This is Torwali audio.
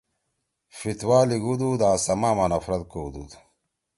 فتویٰ لیِگُودُود آں سماع ما نفرت کؤدُود۔